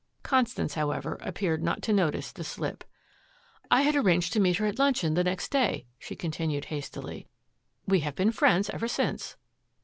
Constance, however, appeared not to notice the slip. "I had arranged to meet her at luncheon the next day," she continued hastily. "We have been friends ever since."